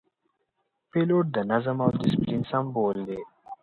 پیلوټ د نظم او دسپلین سمبول دی.